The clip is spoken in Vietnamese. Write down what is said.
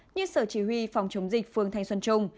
nhưng sở chỉ huy phòng chống dịch phường thanh xuân trung